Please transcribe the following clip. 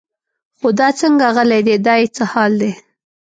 خو دا څنګه غلی دی دا یې څه حال دی.